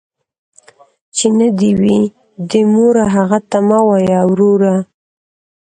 ـ چې نه دې وي، د موره هغه ته مه وايه وروره.